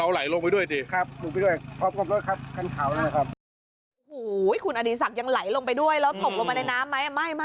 โอ้โหคุณอดีศักดิ์ยังไหลลงไปด้วยแล้วตกลงไปในน้ำไหม